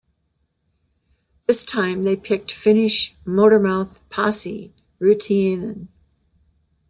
This time they picked Finnish "motor-mouth" Pasi Rautiainen.